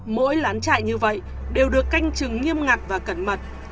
mỗi lán chạy như vậy đều được canh chừng nghiêm ngặt và cẩn mật